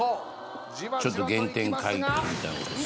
ちょっと原点回帰みたいなことするんです。